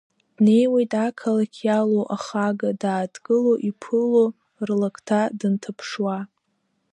Днеиуеит ақалақь иалоу ахага, дааҭгыло, иԥыло рлакҭа дынҭаԥшуа.